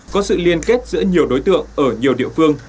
có sự liên kết giữa nhiều đối tượng ở nhiều địa phương